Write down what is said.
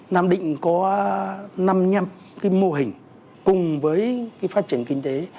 nam định có năm nhầm mô hình cùng với phát triển kinh tế